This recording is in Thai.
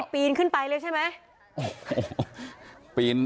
ปีนขึ้นไปเลยใช่ไหม